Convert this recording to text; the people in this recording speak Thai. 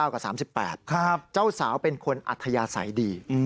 กับ๓๘เจ้าสาวเป็นคนอัธยาศัยดี